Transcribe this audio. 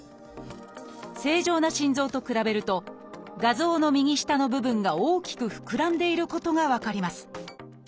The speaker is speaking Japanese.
正常な心臓と比べると画像の右下の部分が大きく膨らんでいることが分かります。